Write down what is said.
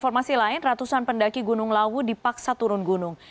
informasi lain ratusan pendaki gunung lawu dipaksa turun gunung